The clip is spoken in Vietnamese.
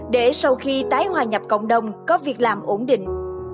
để sau khi tái hòa nhập cộng đồng có việc làm ổn định